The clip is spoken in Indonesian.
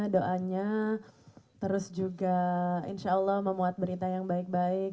doanya terus juga insya allah memuat berita yang baik baik